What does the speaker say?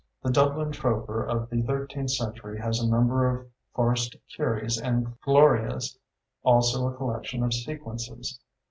The Dublin Troper of the thirteenth century has a number of farced Kyries and Glorias, also a collection of Sequences.